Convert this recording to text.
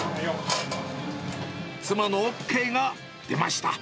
妻のＯＫが出ました。